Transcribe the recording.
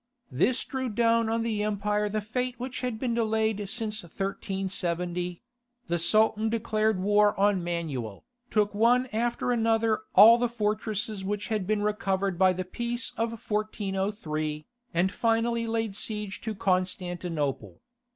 This drew down on the empire the fate which had been delayed since 1370: the Sultan declared war on Manuel, took one after another all the fortresses which had been recovered by the peace of 1403, and finally laid siege to Constantinople.